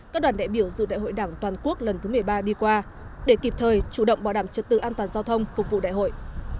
các đoàn đại biểu dự đại hội đảng toàn quốc lần thứ một mươi ba đi qua để kịp thời chủ động bảo đảm trật tự an toàn giao thông phục vụ đại hội